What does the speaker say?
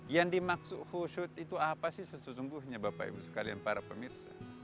yang dimaksud khusyut itu apa sih sesungguhnya bapak ibu sekalian para pemirsa